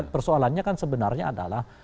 persoalannya kan sebenarnya adalah